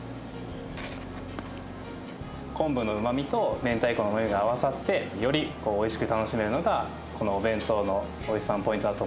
昆布のうまみと明太子のうまみが合わさってよりおいしく楽しめるのがこのお弁当のおいしさのポイントだと思います。